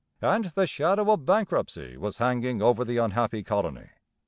And the shadow of bankruptcy was hanging over the unhappy colony.